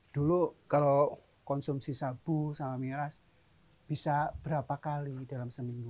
dulu kalau konsumsi sabu sama miras bisa berapa kali dalam seminggu